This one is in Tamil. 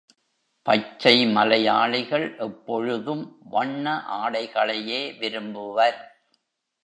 பச்சை மலையாளிகள் எப்பொழுதும் வண்ண ஆடைகளையே விரும்புவர்.